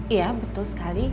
iya betul sekali